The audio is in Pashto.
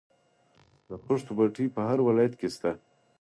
د خښتو بټۍ په هر ولایت کې شته